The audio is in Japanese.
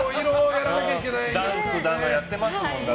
ダンスもやってますもんね。